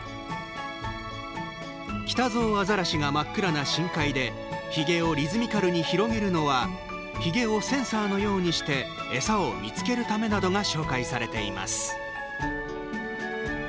キタゾウアザラシが真っ暗な深海でヒゲをリズミカルに広げるのはヒゲをセンサーのようにしてエサを見つけるためなどが紹介されています。